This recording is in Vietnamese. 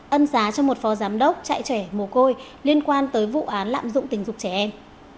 ân giá cho một phó giám đốc chạy trẻ mồ côi liên quan tới vụ án lạm dụng tình dục trẻ em